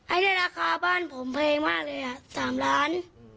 อันนี้ราคาบ้านผมแพงมากเลยอ่ะ๓ล้าน